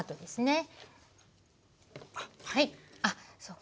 あっそうか。